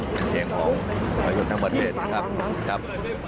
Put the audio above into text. เป็นเชียงของพลเอกรยุทธ์ทั้งประเภทนะครับ